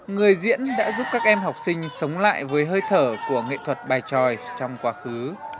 người diễn đã giúp các em học sinh sống lại với hơi thở của nghệ thuật bài tròi trong quá khứ